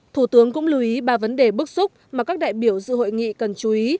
thủ tướng cũng lưu ý ba vấn đề bức xúc mà các đại biểu dự hội nghị cần chú ý